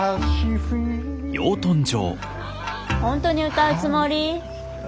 本当に歌うつもり？